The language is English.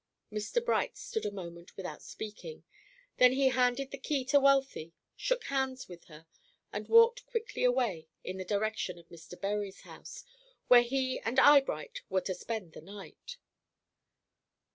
Mr. Bright stood a moment without speaking; then he handed the key to Wealthy, shook hands with her, and walked quickly away in the direction of Mr. Bury's house, where he and Eyebright were to spend the night.